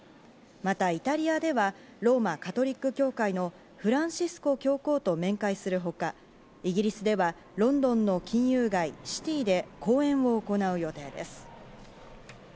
またイタリアではローマ・カトリック教会のフランシスコ教皇と面会するほか、イギリスではロンドンの金融街・シティで講演を行う予定です。